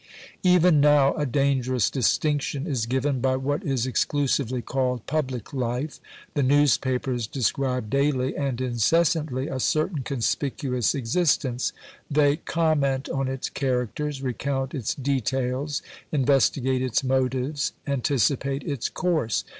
Even now a dangerous distinction is given by what is exclusively called public life. The newspapers describe daily and incessantly a certain conspicuous existence; they comment on its characters, recount its details, investigate its motives, anticipate its course.